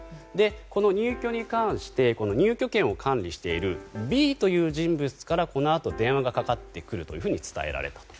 この入居に関して入居権を管理しているＢという人物からこのあと電話がかかってくると伝えられたと。